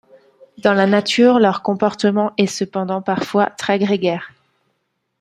Dans la nature leur comportement est cependant parfois très grégaire.